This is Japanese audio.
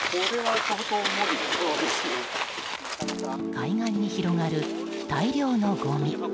海岸に広がる大量のごみ。